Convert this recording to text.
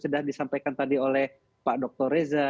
sudah disampaikan tadi oleh pak dr reza